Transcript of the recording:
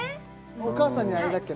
お母さんにあれだっけ？